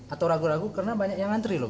atau ragu ragu karena banyak yang ngantri loh